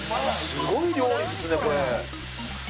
すごい料理っすねこれ。